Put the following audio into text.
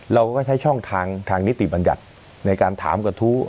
เราก็ใช้ช่องทางทางนิติบัญญัติในการถามกระทู้